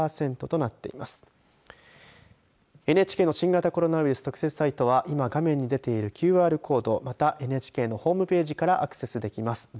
ＮＨＫの新型コロナウイルス特設サイトは今、画面に出ているＱＲコードまたＮＨＫのホームページからアクセスできます。